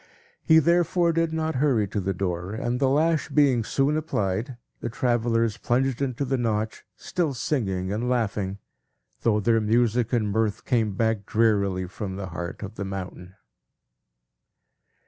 He therefore did not hurry to the door; and the lash being soon applied, the travellers plunged into the Notch, still singing and laughing, though their music and mirth came back drearily from the heart of the mountain.